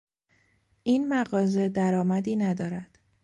این مغازه در آمدی ندارد.